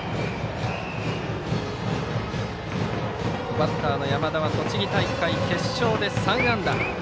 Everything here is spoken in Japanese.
バッターの山田は栃木大会決勝で３安打。